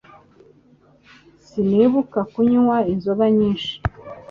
Sinibuka kunywa inzoga nyinshi